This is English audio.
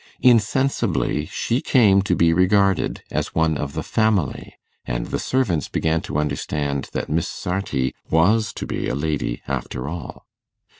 Insensibly she came to be regarded as one of the family, and the servants began to understand that Miss Sarti was to be a lady after all.